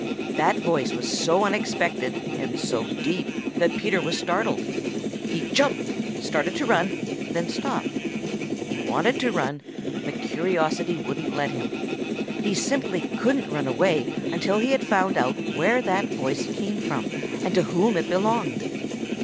That voice was so unexpected and so deep that Peter was startled. He jumped, started to run, then stopped. He wanted to run, but curiosity wouldn't let him. He simply couldn't run away until he had found out where that voice came from and to whom it belonged.